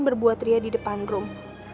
berbuat ria di depan room